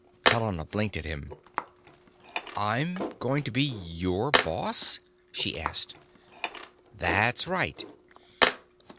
Helena blinked at him. "I'm going to be your boss?" she asked. "That's right."